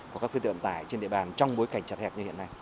và các phương tiện ẩn tải trên địa bàn trong bối cảnh chặt hẹp như hiện nay